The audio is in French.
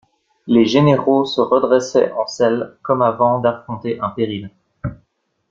Les généraux se redressaient en selle comme avant d'affronter un péril.